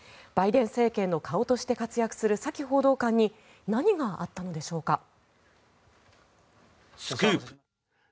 バイデン政権の顔として活躍するサキ報道官に何があったのでしょうか。